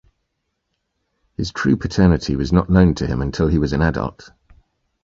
His true paternity was not known to him until he was an adult.